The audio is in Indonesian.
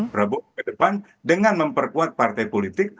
prabowo ke depan dengan memperkuat partai politik